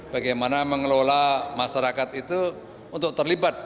bagaimana mengelola masyarakat itu untuk terlibat